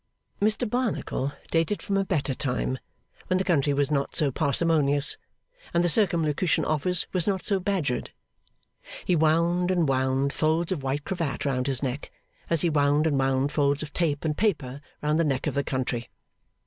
Mr Barnacle dated from a better time, when the country was not so parsimonious and the Circumlocution Office was not so badgered. He wound and wound folds of white cravat round his neck, as he wound and wound folds of tape and paper round the neck of the country.